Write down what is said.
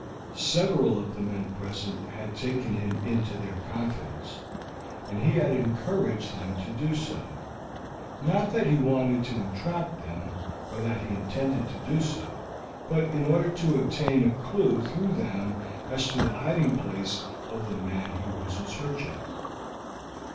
Several of the men present had taken him into their confidence, and he had encouraged them to do so, not that he wanted to entrap them, or that he intended to do so, but in order to obtain a clew through them as to the hiding place of the man he was in search of.